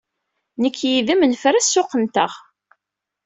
Nekk yid-m nefra ssuq-nteɣ.